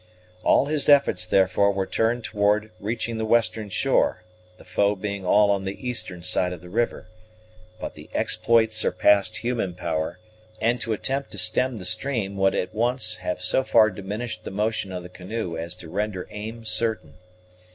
All his efforts, therefore, were turned toward reaching the western shore, the foe being all on the eastern side of the river; but the exploit surpassed human power, and to attempt to stem the stream would at once have so far diminished the motion of the canoe as to render aim certain.